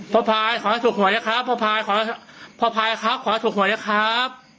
ครับผมพ่อพายขอให้สุขหัวนะครับพ่อพายขอให้สุขหัวนะครับ